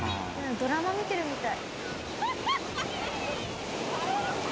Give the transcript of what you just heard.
ドラマ見てるみたい。